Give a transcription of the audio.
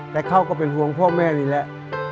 แต่เขาก็เป็นห่วงพ่อแม่นี่แหละ